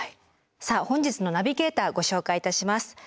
さあ本日のナビゲーターご紹介いたします。